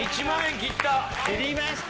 切りました。